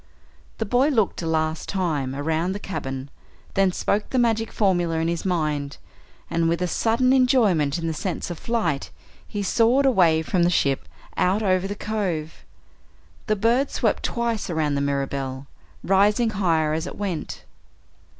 The boy looked a last time around the cabin, then spoke the magic formula in his mind, and, with a sudden enjoyment in the sense of flight, he soared away from the ship out over the cove. The bird swept twice around the Mirabelle, rising higher as it went.